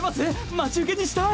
待ち受けにしたい。